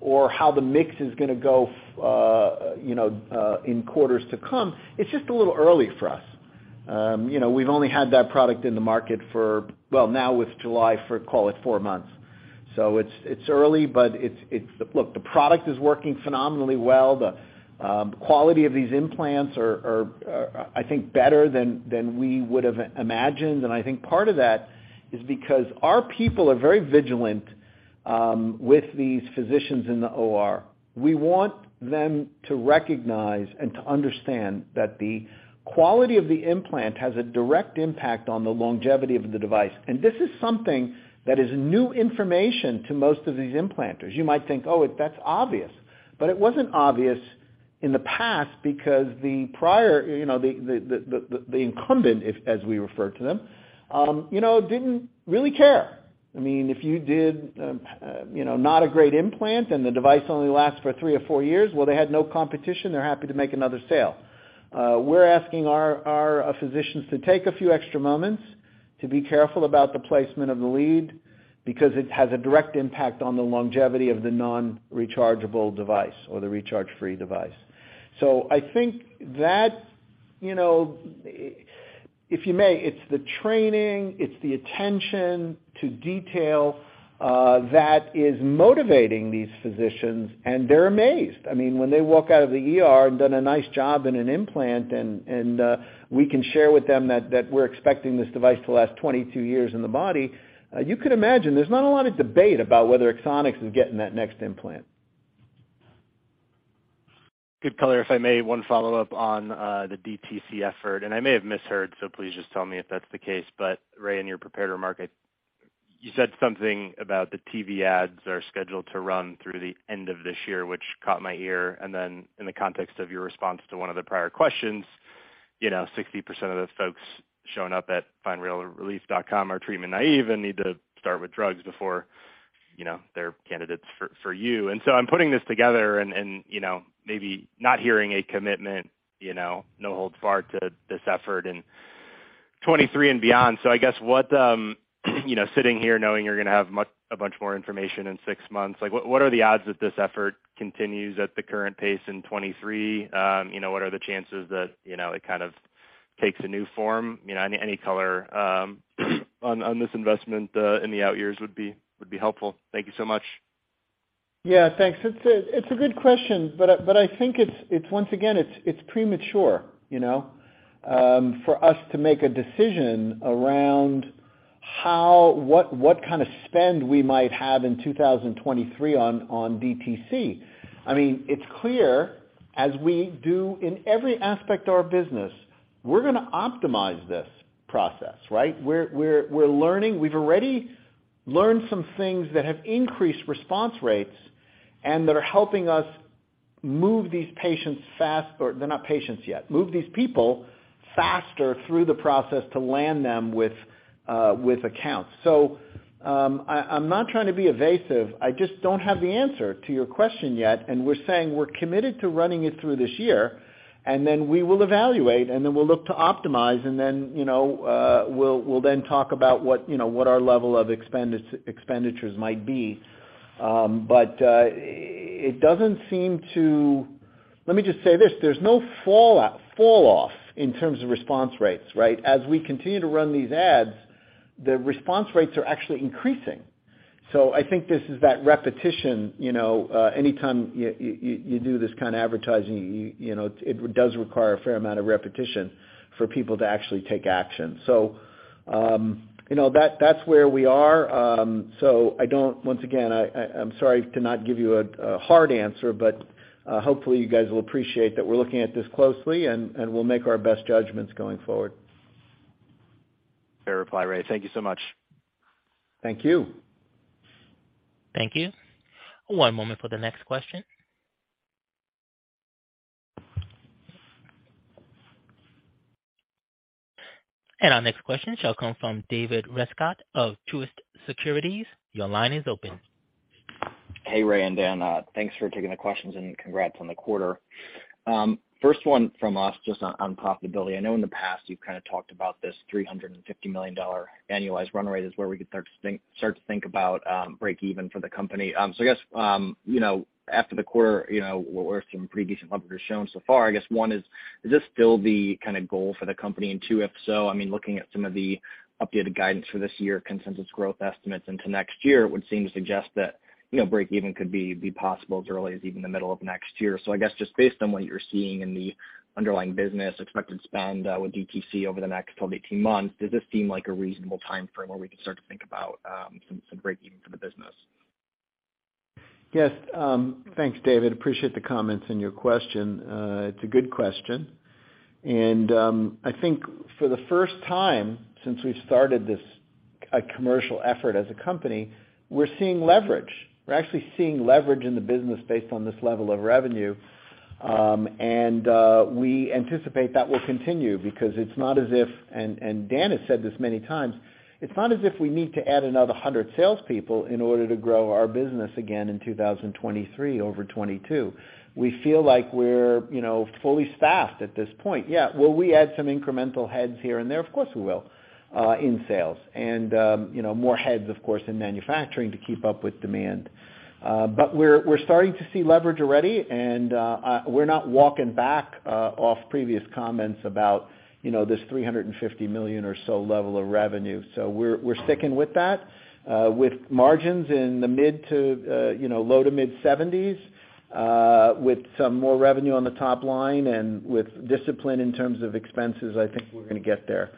or how the mix is gonna go, you know, in quarters to come, it's just a little early for us. You know, we've only had that product in the market for, well, now with July, for call it four months. It's early, but look, the product is working phenomenally well. The quality of these implants are, I think, better than we would have imagined. I think part of that is because our people are very vigilant with these physicians in the OR. We want them to recognize and to understand that the quality of the implant has a direct impact on the longevity of the device. This is something that is new information to most of these implanters. You might think, "Oh, that's obvious." It wasn't obvious in the past because the incumbent, as we refer to them, you know, didn't really care. I mean, if you did, you know, not a great implant and the device only lasts for three or four years, well, they had no competition. They're happy to make another sale. We're asking our physicians to take a few extra moments to be careful about the placement of the lead because it has a direct impact on the longevity of the non-rechargeable device or the recharge-free device. I think that, you know, if you may, it's the training, it's the attention to detail, that is motivating these physicians, and they're amazed. I mean, when they walk out of the OR and they've done a nice job on an implant and we can share with them that we're expecting this device to last 22 years in the body, you could imagine there's not a lot of debate about whether Axonics is getting that next implant. Good color. If I may, one follow-up on the DTC effort. I may have misheard, so please just tell me if that's the case. Ray, in your prepared remark, you said something about the TV ads are scheduled to run through the end of this year, which caught my ear. Then in the context of your response to one of the prior questions, you know, 60% of the folks showing up at FindRealRelief.com are treatment naive and need to start with drugs before, you know, they're candidates for you. I'm putting this together and, you know, maybe not hearing a commitment, you know, no holds barred to this effort in 2023 and beyond. I guess what, you know, sitting here knowing you're gonna have a bunch more information in six months, like, what are the odds that this effort continues at the current pace in 2023? You know, what are the chances that, you know, it kind of takes a new form? You know, any color on this investment in the out years would be helpful. Thank you so much. Yeah, thanks. It's a good question, but I think it's once again premature, you know, for us to make a decision around what kind of spend we might have in 2023 on DTC. I mean, it's clear as we do in every aspect of our business, we're gonna optimize this process, right? We're learning. We've already learned some things that have increased response rates and that are helping us move these people faster through the process to land them with accounts. I'm not trying to be evasive. I just don't have the answer to your question yet. We're saying we're committed to running it through this year, and then we will evaluate, and then we'll look to optimize, and then, you know, we'll then talk about what, you know, what our level of expenditures might be. But it doesn't seem to. Let me just say this, there's no fall off in terms of response rates, right? As we continue to run these ads, the response rates are actually increasing. So I think this is that repetition, you know, anytime you do this kind of advertising, you know, it does require a fair amount of repetition for people to actually take action. So, you know, that's where we are. Once again, I'm sorry to not give you a hard answer, but hopefully, you guys will appreciate that we're looking at this closely, and we'll make our best judgments going forward. Fair reply, Ray. Thank you so much. Thank you. Thank you. One moment for the next question. Our next question shall come from David Rescott of Truist Securities. Your line is open. Hey, Ray and Dan. Thanks for taking the questions and congrats on the quarter. First one from us, just on profitability. I know in the past you've kind of talked about this $350 million annualized run rate is where we could start to think about breakeven for the company. I guess you know, after the quarter, you know, with some pretty decent numbers shown so far, I guess one is this still the kinda goal for the company? Two, if so, I mean, looking at some of the updated guidance for this year consensus growth estimates into next year would seem to suggest that, you know, breakeven could be possible as early as even the middle of next year. I guess, just based on what you're seeing in the underlying business expected spend with DTC over the next 12-18 months, does this seem like a reasonable timeframe where we can start to think about some breakeven for the business? Yes. Thanks, David. Appreciate the comments and your question. It's a good question. I think for the first time since we started this commercial effort as a company, we're seeing leverage. We're actually seeing leverage in the business based on this level of revenue. We anticipate that will continue because it's not as if, and Dan has said this many times, it's not as if we need to add another 100 salespeople in order to grow our business again in 2023 over 2022. We feel like we're, you know, fully staffed at this point. Yeah. Will we add some incremental heads here and there? Of course, we will in sales and, you know, more heads, of course, in manufacturing to keep up with demand. We're starting to see leverage already and we're not walking back off previous comments about, you know, this $350 million or so level of revenue. We're sticking with that, with margins in the low- to mid-seventies, with some more revenue on the top line and with discipline in terms of expenses. I think we're gonna get there.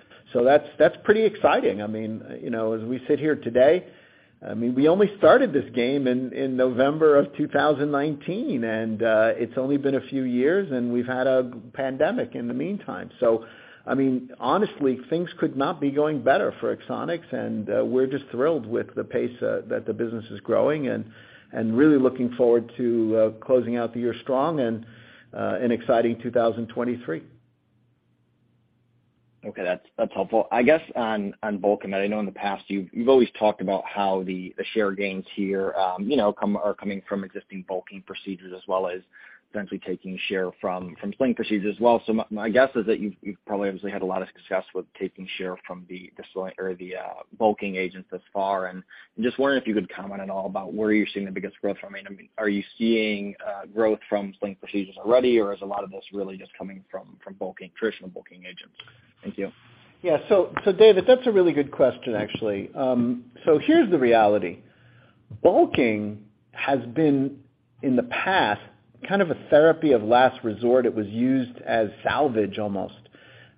That's pretty exciting. I mean, you know, as we sit here today. I mean, we only started this game in November 2019, and it's only been a few years, and we've had a pandemic in the meantime. I mean, honestly, things could not be going better for Axonics, and we're just thrilled with the pace that the business is growing and really looking forward to closing out the year strong and an exciting 2023. Okay. That's helpful. I guess on Bulkamid, I know in the past you've always talked about how the share gains here, you know, are coming from existing bulking procedures as well as essentially taking share from sling procedures as well. My guess is that you've probably obviously had a lot of success with taking share from the sling or the bulking agents thus far. I'm just wondering if you could comment at all about where you're seeing the biggest growth from. I mean, are you seeing growth from sling procedures already, or is a lot of this really just coming from bulking, traditional bulking agents? Thank you. David, that's a really good question actually. Here's the reality. Bulking has been, in the past, kind of a therapy of last resort. It was used as salvage almost.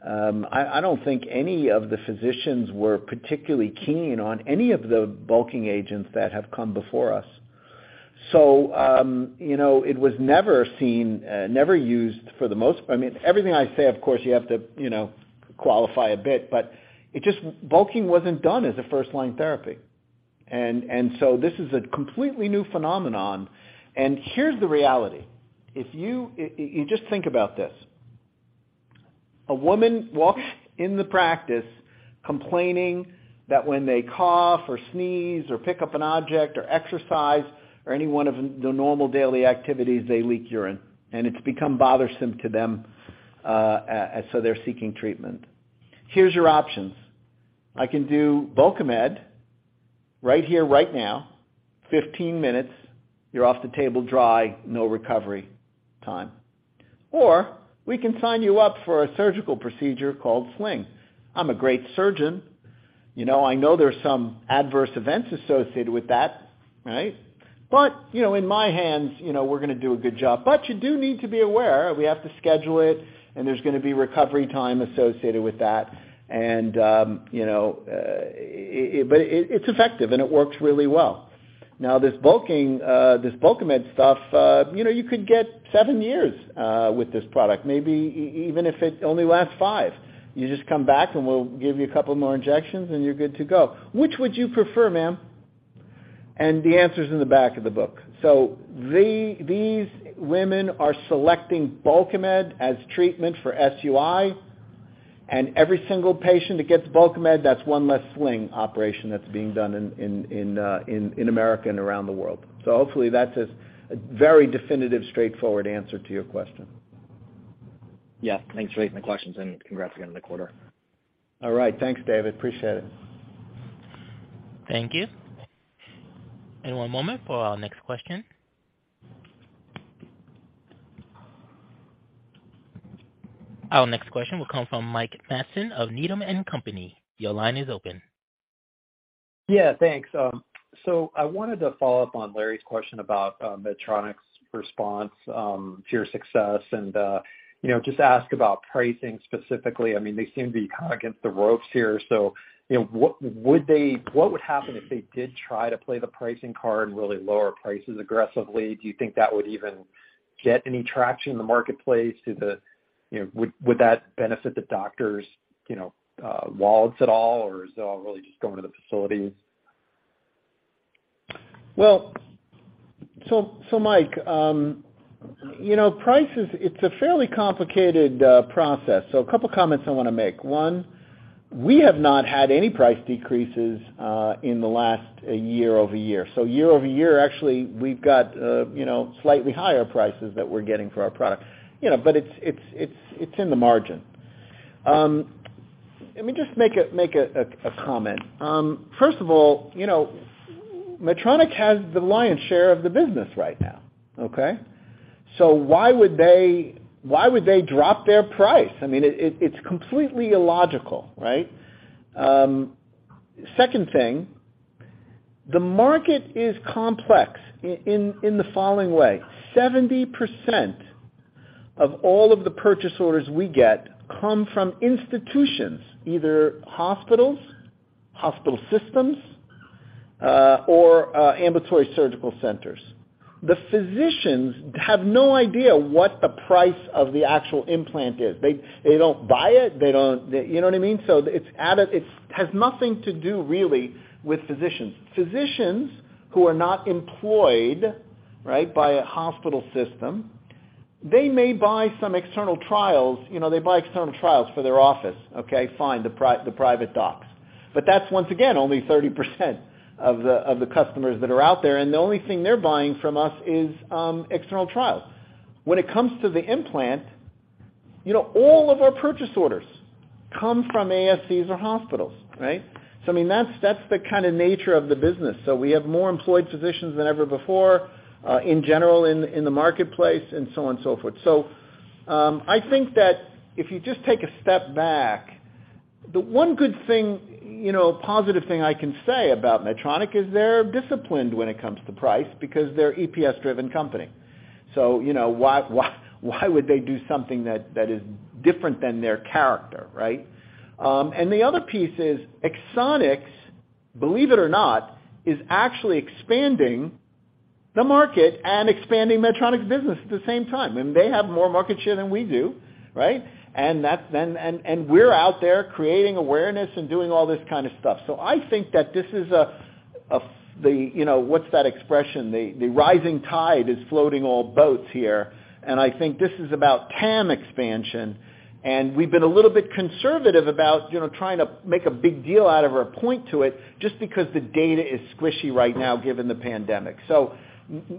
I don't think any of the physicians were particularly keen on any of the bulking agents that have come before us. You know, it was never seen, never used for the most. I mean, everything I say, of course, you have to, you know, qualify a bit, but bulking wasn't done as a first line therapy. This is a completely new phenomenon, and here's the reality. If you just think about this. A woman walks in the practice complaining that when they cough or sneeze or pick up an object or exercise or any one of the normal daily activities, they leak urine, and it's become bothersome to them, so they're seeking treatment. Here's your options. I can do Bulkamid right here, right now, 15 minutes, you're off the table dry, no recovery time. Or we can sign you up for a surgical procedure called sling. I'm a great surgeon. You know, I know there's some adverse events associated with that, right? But, you know, in my hands, you know, we're gonna do a good job. But you do need to be aware, we have to schedule it, and there's gonna be recovery time associated with that. You know, but it's effective, and it works really well. Now, this bulking, this Bulkamid stuff, you know, you could get seven years with this product. Maybe even if it only lasts five, you just come back, and we'll give you a couple more injections, and you're good to go. Which would you prefer, ma'am? The answer's in the back of the book. These women are selecting Bulkamid as treatment for SUI, and every single patient that gets Bulkamid, that's one less sling operation that's being done in America and around the world. Hopefully, that's a very definitive, straightforward answer to your question. Yeah. Thanks for taking the questions and congrats again on the quarter. All right. Thanks, David. Appreciate it. Thank you. One moment for our next question. Our next question will come from Mike Matson of Needham & Company. Your line is open. Yeah, thanks. I wanted to follow-up on Larry's question about Medtronic's response to your success and, you know, just ask about pricing specifically. I mean, they seem to be kind of against the ropes here. You know, what would happen if they did try to play the pricing card and really lower prices aggressively? Do you think that would even get any traction in the marketplace? Do they, you know, would that benefit the doctors', you know, wallets at all, or is it all really just going to the facilities? Well, Mike, you know, prices, it's a fairly complicated process. A couple comments I wanna make. One, we have not had any price decreases in the last year-over-year. Year-over-year, actually, we've got, you know, slightly higher prices that we're getting for our product. You know, but it's in the margin. Let me just make a comment. First of all, you know, Medtronic has the lion's share of the business right now, okay? Why would they drop their price? I mean, it's completely illogical, right? Second thing, the market is complex in the following way. 70% of all of the purchase orders we get come from institutions, either hospitals, hospital systems, or ambulatory surgical centers. The physicians have no idea what the price of the actual implant is. They don't buy it. You know what I mean? It has nothing to do really with physicians. Physicians who are not employed, right, by a hospital system, they may buy some external trials, you know, they buy external trials for their office, okay, fine, the private docs. But that's once again, only 30% of the customers that are out there, and the only thing they're buying from us is external trials. When it comes to the implant, you know, all of our purchase orders come from ASCs or hospitals, right? I mean, that's the kind of nature of the business. We have more employed physicians than ever before in general in the marketplace and so on and so forth. I think that if you just take a step back, the one good thing, you know, positive thing I can say about Medtronic is they're disciplined when it comes to price because they're EPS-driven company. You know, why would they do something that is different than their character, right? The other piece is Axonics, believe it or not, is actually expanding the market and expanding Medtronic business at the same time. They have more market share than we do, right? We're out there creating awareness and doing all this kind of stuff. I think that this is the. You know, what's that expression? The rising tide is floating all boats here. I think this is about TAM expansion. We've been a little bit conservative about, you know, trying to make a big deal out of our point to it just because the data is squishy right now given the pandemic.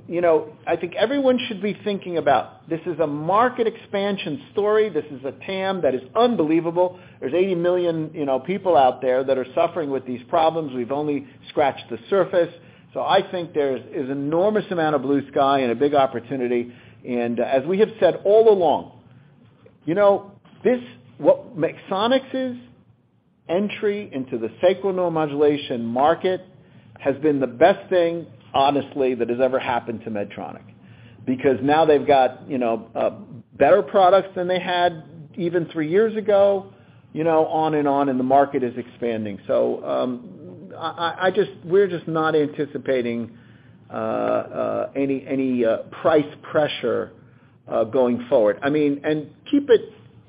You know, I think everyone should be thinking about this is a market expansion story. This is a TAM that is unbelievable. There's 80 million, you know, people out there that are suffering with these problems. We've only scratched the surface. I think there's enormous amount of blue sky and a big opportunity. As we have said all along, you know, this what Axonics is, entry into the sacral neuromodulation market has been the best thing, honestly, that has ever happened to Medtronic. Because now they've got, you know, better products than they had even three years ago, you know, on and on, and the market is expanding. We're just not anticipating any price pressure going forward. I mean, keep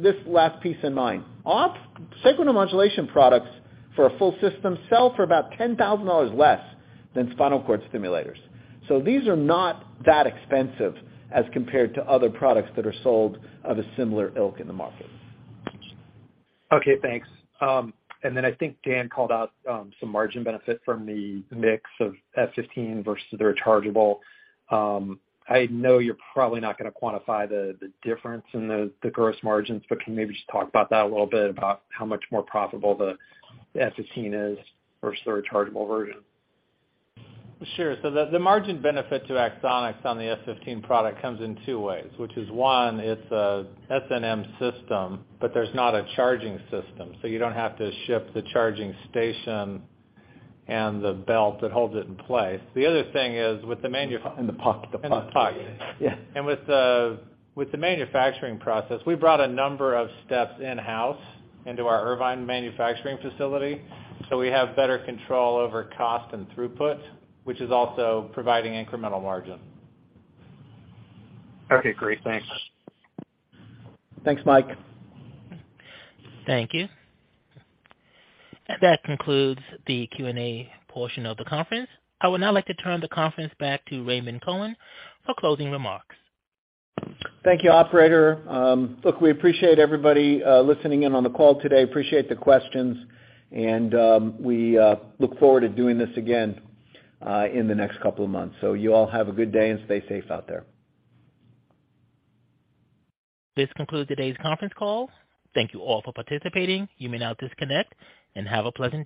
this last piece in mind. Ought sacral neuromodulation products for a full system sell for about $10,000 less than spinal cord stimulators. These are not that expensive as compared to other products that are sold of a similar ilk in the market. Okay, thanks. I think Dan called out some margin benefit from the mix of F15 versus the rechargeable. I know you're probably not gonna quantify the difference in the gross margins, but can you maybe just talk about that a little bit about how much more profitable the F15 is versus the rechargeable version? Sure. The margin benefit to Axonics on the F15 product comes in two ways, which is one, it's a SNM system, but there's not a charging system, so you don't have to ship the charging station and the belt that holds it in place. The other thing is with the manu- In the pocket. In the pocket. Yeah. With the manufacturing process, we brought a number of steps in-house into our Irvine manufacturing facility, so we have better control over cost and throughput, which is also providing incremental margin. Okay, great. Thanks. Thanks, Mike. Thank you. That concludes the Q&A portion of the conference. I would now like to turn the conference back to Raymond Cohen for closing remarks. Thank you, operator. Look, we appreciate everybody listening in on the call today. Appreciate the questions and we look forward to doing this again in the next couple of months. You all have a good day and stay safe out there. This concludes today's conference call. Thank you all for participating. You may now disconnect and have a pleasant day.